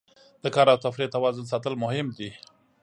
د کار او تفریح توازن ساتل مهم دي.